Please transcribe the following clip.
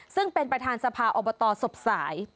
ซึ่งเป็นประธานสภาอบตศพสาย